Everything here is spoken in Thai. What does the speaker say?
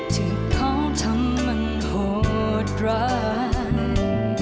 ถึงเขาทำมันโหดร้าย